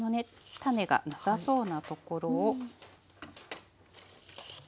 種がなさそうなところを。